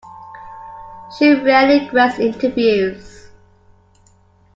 She rarely grants interviews.